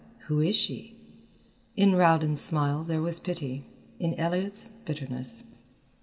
Who is she?" In Rowden's smile there was pity, in Elliott's bitterness.